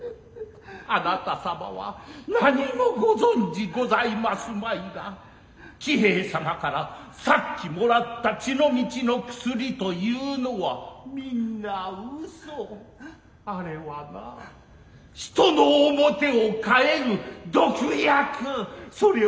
あなた様は何にもご存じございますまいが喜兵衛さまからさっきもらった血の道の薬というのはみんな嘘。あれはな人の面を変える毒薬。